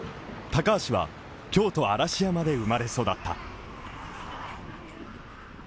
高橋は京都・嵐山で生まれ育った。